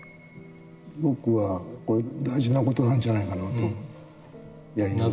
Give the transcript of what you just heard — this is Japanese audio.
僕はこれ大事な事なんじゃないかなとやりながら。